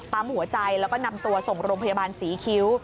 หัวใจแล้วก็นำตัวส่งโรงพยาบาลศรีคิ้ว